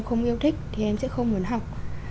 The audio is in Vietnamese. không yêu thích thì em sẽ không muốn học